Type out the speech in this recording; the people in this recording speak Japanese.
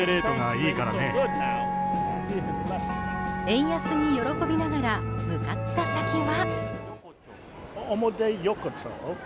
円安に喜びながら向かった先は。